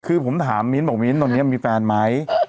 คือผมถามมิ้นท์บอกมิ้นตอนนี้มีแฟนไหม